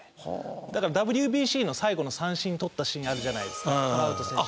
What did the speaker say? だからＷＢＣの最後の三振取ったシーンあるじゃないですかトラウト選手。